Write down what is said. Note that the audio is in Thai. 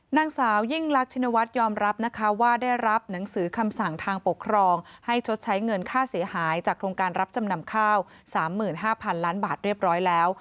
นางสาวยิ่งลักชินวัฒน์ยอมรับนะคะว่าได้รับหนังสือคำสั่งทางปกครองให้ชดใช้เงินค่าเสียหายจากโครงการรับจำนำข้าว๓๕๐๐๐ล้านบาทเรียบร้อยแล้ว